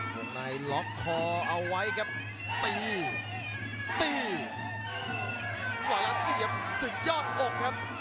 ส่วนในล็อคคอเอาไว้ครับปีปีรอยล้านเสียบจะยอดออกครับ